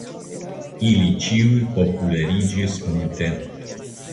Ili ĉiuj populariĝis multe.